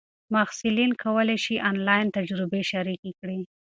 محصلین کولای سي آنلاین تجربې شریکې کړي.